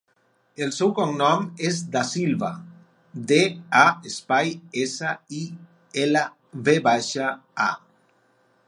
El seu cognom és Da Silva: de, a, espai, essa, i, ela, ve baixa, a.